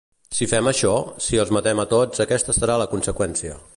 Si fem això, si els matem a tots aquesta serà la conseqüència.